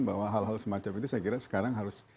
bahwa hal hal semacam itu saya kira sekarang harus